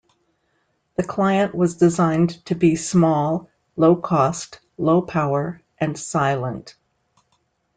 The client was designed to be small, low cost, low power, and silent.